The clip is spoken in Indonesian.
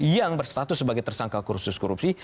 yang berstatus sebagai tersangka kursus korupsi